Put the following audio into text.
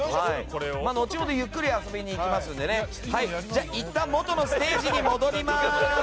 後ほどゆっくり遊びに行きますのでいったん元のステージに戻りますよ。